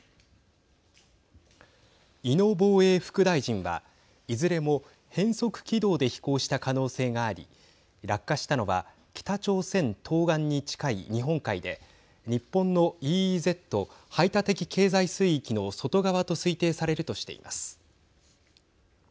井野防衛副大臣はいずれも変速軌道で飛行した可能性があり落下したのは北朝鮮東岸に近い日本海で日本のＥＥＺ＝排他的経済水域の外側と推定されるとしています。